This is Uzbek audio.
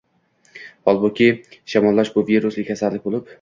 Holbuki, shamollash bu virusli kasallik bo‘lib